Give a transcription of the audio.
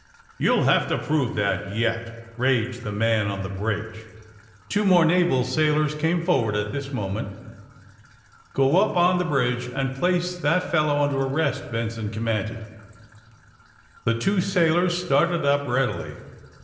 ''You'll have to prove that yet!'' raged th© man on the bridge. Two more naval sailors came forward at this moment. ''Go up on the bridge and place that fellow under arrest!" Benson commanded. The two sailors started up, readily.